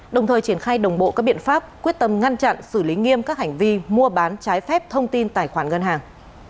đồng thời triển khai đồng bộ các biện pháp quyết tâm ngăn chặn xử lý nghiêm các hành vi mua bán trái phép thông tin tài khoản ngân hàng